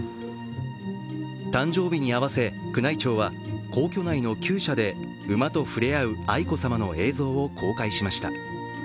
誕生日に合わせ、宮内庁は皇居内のきゅう舎で馬と触れ合う愛子さまの映像を公開しました。